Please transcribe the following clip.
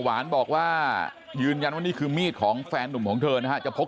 หวานบอกว่ายืนยันว่านี่คือมีดของแฟนหนุ่มของเธอนะฮะจะพก